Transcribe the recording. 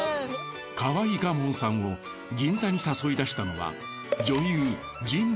河相我聞さんを銀座に誘い出したのは女優。